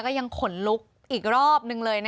ก็ยังขนลุกอีกรอบหนึ่งเลยนะครับ